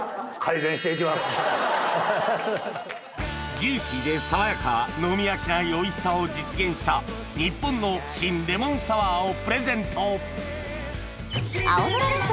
ジューシーで爽やか飲み飽きないおいしさを実現した「ニッポンのシン・レモンサワー」をプレゼント